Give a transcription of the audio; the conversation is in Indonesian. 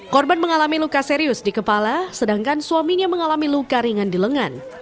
korban mengalami luka serius di kepala sedangkan suaminya mengalami luka ringan di lengan